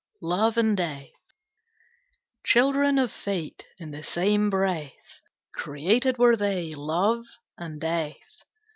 LOVE AND DEATH. Children of Fate, in the same breath Created were they, Love and Death.